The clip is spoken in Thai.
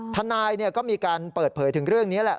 ทนายก็มีการเปิดเผยถึงเรื่องนี้แหละ